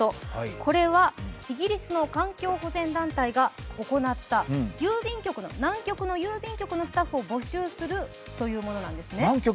これはイギリスの環境保全団体が行った南極の郵便局のスタッフを募集するというものなんです。